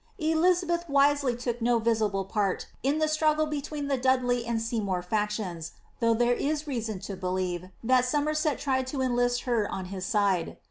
Elizabeth wisely took no visible part in the struggle between the Dadley and Seymour Actions, though there is reason to believe that Somerset tried to enlist her on his side.